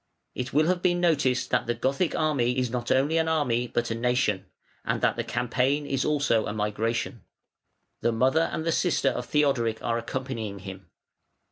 It will have been noticed that the Gothic army is not only an army but a nation, and that the campaign is also a migration. The mother and the sister of Theodoric are accompanying him.